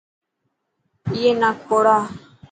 هي اي نا کوڙا.